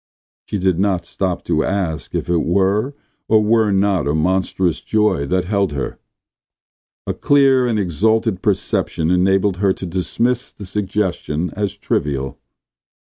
She did not stop to ask if it were or were not a monstrous joy that held her. A clear and exalted perception enabled her to dismiss the suggestion as trivial.